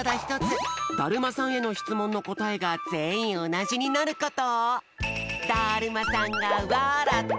だるまさんへのしつもんのこたえがぜんいんおなじになること。